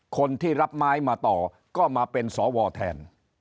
คนที่รับไม้มาต่อก็มาเป็นสวแทน